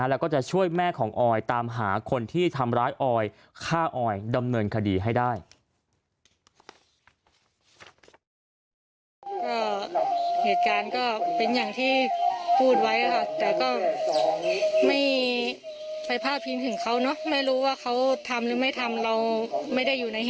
แล้วก็จะช่วยแม่ของออยตามหาคนที่ทำร้ายออยฆ่าออยดำเนินคดีให้ได้